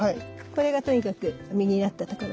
これがとにかく実になったところね。